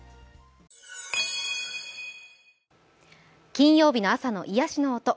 金曜日の朝の癒しの音。